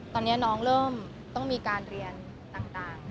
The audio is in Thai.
ตอนนี้น้องเริ่มต้องมีการเรียนต่าง